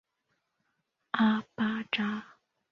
阿巴扎。